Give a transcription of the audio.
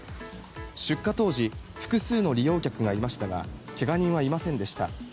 出火当時複数の利用客がいましたがけが人はいませんでした。